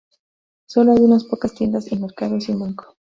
Sólo hay unas pocas tiendas y mercados y un banco.